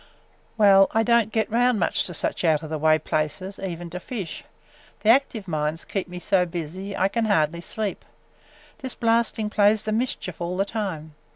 "Well, I don't get around much to such out of the way places, even to fish. The active mines keep me so busy I can hardly sleep. This blasting plays the mischief all the time.